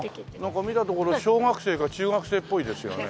なんか見たところ小学生か中学生っぽいですよね。